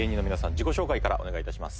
自己紹介からお願いいたします。